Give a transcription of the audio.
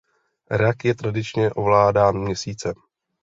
Rak je tradičně ovládán Měsícem.